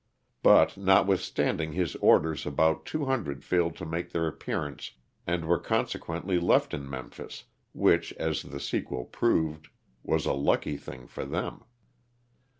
But notwithstanding his orders about two hundred failed to make their appearance and were consequently left in Memphis, which, as the sequel proved, was a lucky thing for them.